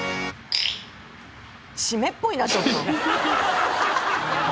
湿っぽいなちょっと。